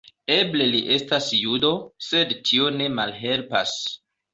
Eble li estas judo, sed tio ne malhelpas.